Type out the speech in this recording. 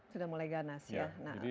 sudah mulai ganas ya